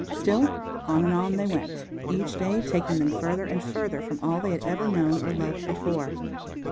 Still on and on they went, each day taking them further and further from all they had ever known or loved before.